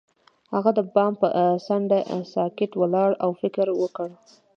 هغه د بام پر څنډه ساکت ولاړ او فکر وکړ.